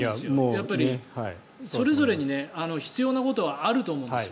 やっぱりそれぞれに必要なことはあると思います。